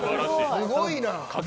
すごいなぁ。